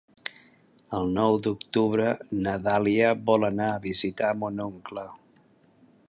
El nou d'octubre na Dàlia vol anar a visitar mon oncle.